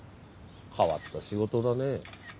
変わった仕事だね。